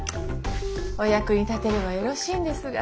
お役に立てればよろしいんですが。